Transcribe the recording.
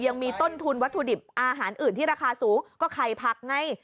ยังมีต้นทุนวัตถุดิบอาหารอื่นที่ราคาสูงก็ไข่ผักไง